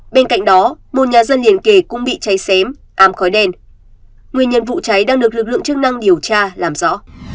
bên cạnh đó một nhà dân liền kề cũng bị cháy xém am khói đen nguyên nhân vụ cháy đang được lực lượng chức năng điều tra làm rõ